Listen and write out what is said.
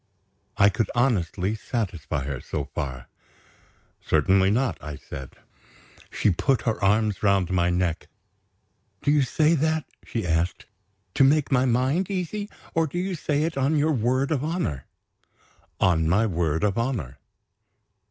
I could honestly satisfy her, so far. "Certainly not!" I said. She put her arms round my neck. "Do you say that," she asked, "to make my mind easy? or do you say it on your word of honor?" "On my word of honor."